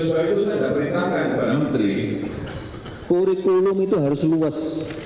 sebab itu saya dapat perintahkan kepada menteri kurikulum itu harus luas